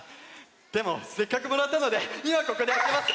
でもせっかくもらったのでいまここであけます！